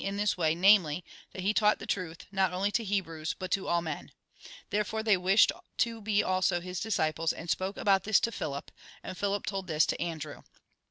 THE WARFARE WITH TEMPTATION 129 this way, namely, that he taught the truth, not only to Hebrews but to all men. Therefore they wished to be also his disciples, and spoke about this to Phihp. And Philip told this to Andrew.